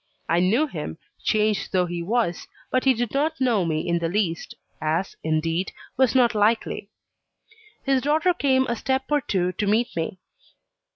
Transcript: I knew him, changed though he was; but he did not know me in the least, as, indeed, was not likely. His daughter came a step or two to meet me.